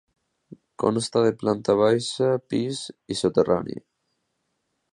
Consta de planta baixa, pis i soterrani.